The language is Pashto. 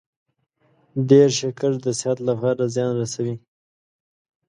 ډیر شکر د صحت لپاره زیان رسوي.